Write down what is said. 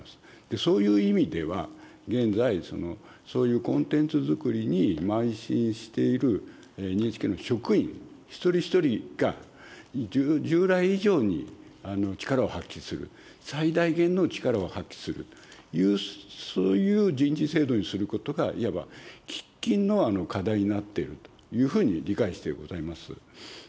そういう意味では現在、そういうコンテンツ作りにまい進しているＮＨＫの職員一人一人が従来以上に力を発揮する、最大限の力を発揮する、そういう人事制度にすることが、いわば喫緊の課題になっているというふうに理解してございます。